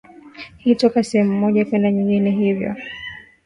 hii toka sehemu moja kwenda nyingine Hivyo